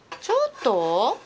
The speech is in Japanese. ちょっと？